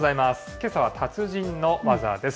けさは達人の技です。